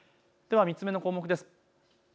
３つ目の項目です。